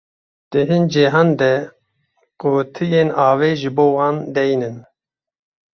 Di hin cihan de qutiyên avê ji bo wan deynin.